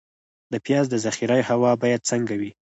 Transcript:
د پیاز د ذخیرې هوا باید څنګه وي؟